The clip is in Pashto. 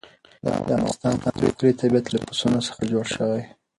د افغانستان ښکلی طبیعت له پسونو څخه جوړ شوی دی.